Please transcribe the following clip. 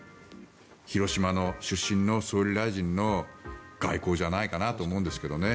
広島出身の総理大臣の外交じゃないかと思うんですけどね。